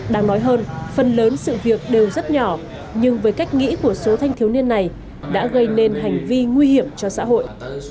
đáng nói hơn phần lớn sự việc đều rất nhỏ nhưng với cách nghĩ của số thanh thiếu niên này đã gây nên hành vi nguy hiểm cho xã hội